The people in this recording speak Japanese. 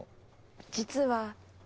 実は。